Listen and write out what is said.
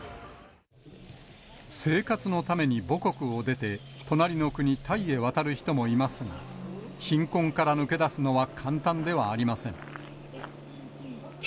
生活のために母国を出て、隣の国、タイへ渡る人もいますが、貧困から抜け出すのは簡単ではありません。